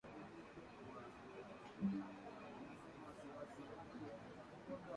Ugonjwa wa kutupa mimba husababishwa na mwingiliano kati ya wanyamapori na mifugo